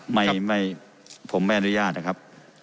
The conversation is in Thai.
ไม่ผมไม่อนุญาตนะครับ